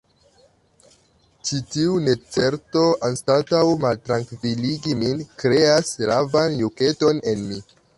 Ĉi tiu necerto, anstataŭ maltrankviligi min, kreas ravan juketon en mi.